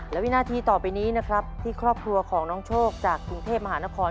และวินาทีต่อไปนี้นะครับที่ครอบครัวของน้องโชคจากกรุงเทพมหานคร